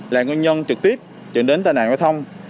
là nguyên nhân trực tiếp dẫn đến tai nạn giao thông